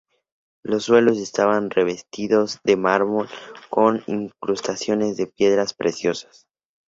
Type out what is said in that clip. Los suelos estaban revestidos de mármol, con incrustaciones de piedras preciosas.